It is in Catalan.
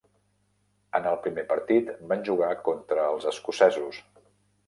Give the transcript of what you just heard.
En el primer partit, van jugar contra "els escocesos".